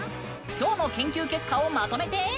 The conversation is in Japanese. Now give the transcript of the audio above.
今日の研究結果をまとめて！